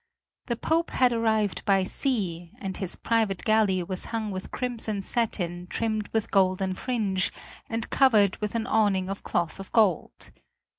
The Pope had arrived by sea, and his private galley was hung with crimson satin trimmed with golden fringe, and covered with an awning of cloth of gold.